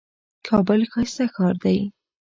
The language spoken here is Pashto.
کابل ښايسته ښار دئ.